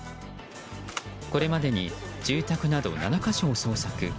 これまでに住宅など７か所を捜索。